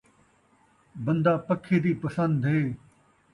بن٘دہ پکھی دی پسن٘د اے